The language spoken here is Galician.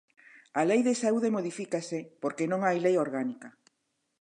A Lei de saúde modifícase porque non hai lei orgánica.